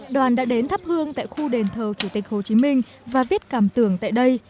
đoàn đã đến thắp hương tại khu đền thờ chủ tịch hồ chí minh và viết cảm tưởng tại đây